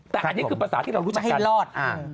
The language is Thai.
แต่อันนี้คือประสาทที่เรารู้จักกัน